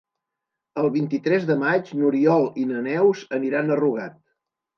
El vint-i-tres de maig n'Oriol i na Neus aniran a Rugat.